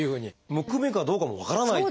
むくみかどうかも分からないっていうね